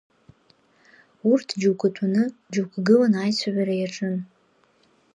Урҭ џьоукы тәаны, џьоук гыланы аицәажәара иаҿын.